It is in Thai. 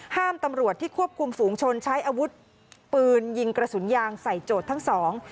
ตำรวจที่ควบคุมฝูงชนใช้อาวุธปืนยิงกระสุนยางใส่โจทย์ทั้งสอง